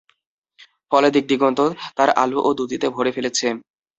ফলে দিগ-দিগন্ত তার আলো ও দূতিতে ভরে ফেলেছে।